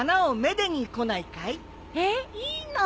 えっいいの？